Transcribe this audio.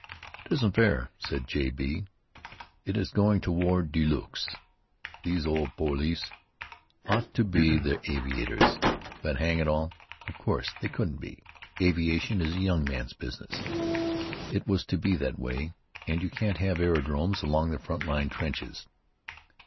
"It isn't fair," said J. B. "It is going to war de luxe. These old poilus ought to be the aviators. But, hang it all! Of course, they couldn't be. Aviation is a young man's business. It has to be that way. And you can't have aerodromes along the front line trenches."